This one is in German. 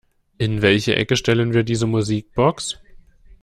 In welche Ecke stellen wir diese Musikbox?